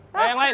eh yang lain